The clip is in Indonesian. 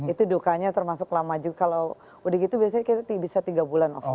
itu dukanya termasuk lama juga kalau udah gitu biasanya kita bisa tiga bulan off